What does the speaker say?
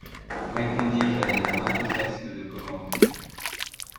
répondis-je avec un enthousiasme de commande.